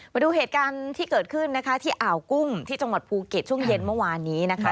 มาดูเหตุการณ์ที่เกิดขึ้นนะคะที่อ่าวกุ้งที่จังหวัดภูเก็ตช่วงเย็นเมื่อวานนี้นะคะ